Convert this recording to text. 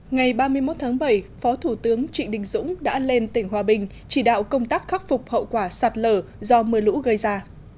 ngày ba mươi một tháng bảy phó thủ tướng trịnh đình dũng đã lên tỉnh hòa bình chỉ đạo công tác khắc phục hậu quả sạt lở do mưa lũ gây ra